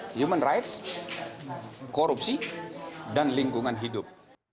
human rights korupsi dan lingkungan hidup